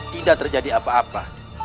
tidak terjadi apa apa